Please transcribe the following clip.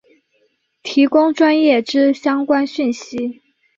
提供专业之相关讯息